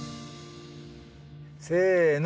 せの！